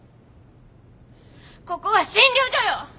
ここは診療所よ！